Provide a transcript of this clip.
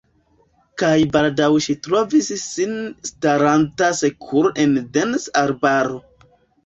Kaj baldaŭ ŝi trovis sin staranta sekure en densa arbaro.